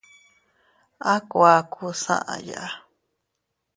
A kuakus aʼaya.